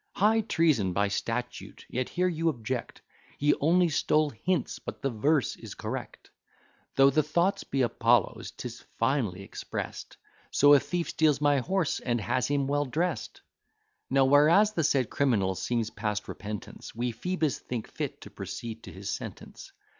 High treason by statute! yet here you object, He only stole hints, but the verse is correct; Though the thought be Apollo's, 'tis finely express'd; So a thief steals my horse, and has him well dress'd. Now whereas the said criminal seems past repentance, We Phoebus think fit to proceed to his sentence.